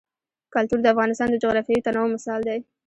کلتور د افغانستان د جغرافیوي تنوع مثال دی.